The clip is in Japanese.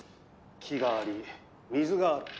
「木があり水がある」